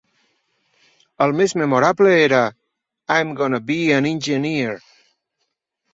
La més memorable era "I'm Gonna Be an Engineer".